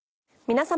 皆様。